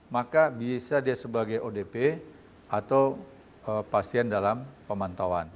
maka bisa dia sebagai odp atau pasien dalam pemantauan